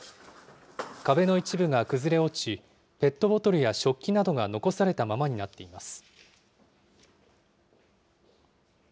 壁の一部が崩れ落ち、ペットボトルや食器などが残されたままになっています。